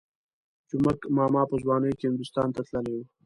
جومک ماما په ځوانۍ کې هندوستان ته تللی وو.